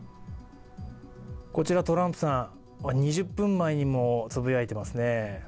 こちらトランプさんは２０分前にもつぶやいてますね